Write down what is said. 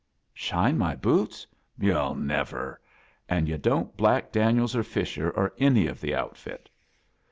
"Shine my boots? Yo'II never! And yu* don't black Daniels or Fisher, or any of the outfit."